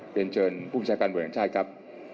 เรียนเชิญผู้ใช้การบริษัทครับ